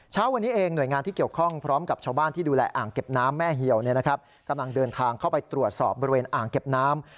เช้าวันนี้เองหน่วยงานที่เกี่ยวข้องพร้อมกับชาวบ้านที่ดูแลอ่างเก็บน้ำแม่เหี่ยวกำลังเดินทางเข้าไปตรวจสอบบริเวณอ่างเก็บน้ำ